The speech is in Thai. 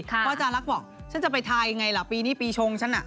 เพราะอาจารย์ลักษณ์บอกฉันจะไปทายไงล่ะปีนี้ปีชงฉันน่ะ